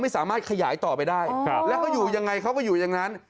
สามารถขยายต่อไปได้แล้วเขาอยู่ยังไงเขาก็อยู่อย่างนั้น